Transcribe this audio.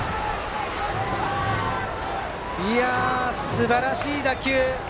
すばらしい打球。